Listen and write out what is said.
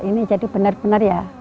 ini jadi benar benar ya